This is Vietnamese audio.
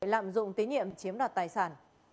lạm dụng tín nhiệm chiếm đoạt tài sản